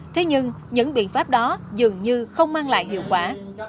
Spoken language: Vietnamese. thế nhưng những biện pháp đó dường như không mang lại hiệu quả